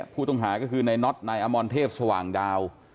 ผู้ต้องหาก็คือนายน็อตนายอมรเทพสว่างดาว